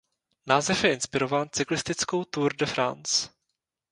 Název je inspirován cyklistickou Tour de France.